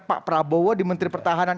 pak prabowo di menteri pertahanan